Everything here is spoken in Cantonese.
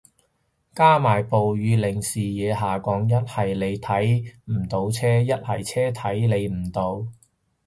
加埋暴雨令視野下降，一係你睇唔到車，一係車睇你唔到